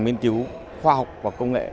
nghiên cứu khoa học và công nghệ